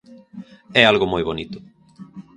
É algo moi bonito.